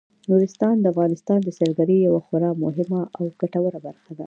نورستان د افغانستان د سیلګرۍ یوه خورا مهمه او ګټوره برخه ده.